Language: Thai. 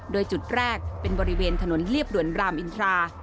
โดยจุดแรกเป็นบริเวณถนนเรียบด่วนรามอินทรา